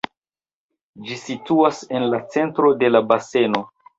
Ĝi situas en la centro de la baseno.